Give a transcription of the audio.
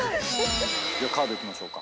カードいきましょうか。